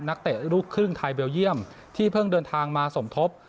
เตะลูกครึ่งไทยเบลเยี่ยมที่เพิ่งเดินทางมาสมทบ